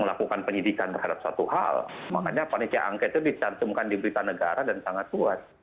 melakukan penyidikan terhadap satu hal makanya panitia angket itu dicantumkan di berita negara dan sangat luas